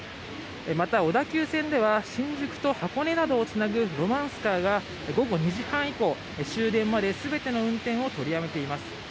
また、小田急線では新宿と箱根などをつなぐロマンスカーが午後２時半以降終電まで全ての運転を取りやめています。